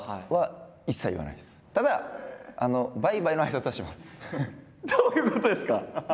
ただどういうことですか？